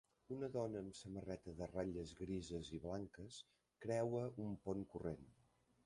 Una dona amb samarreta de ratlles grises i blanques creua un pont corrent.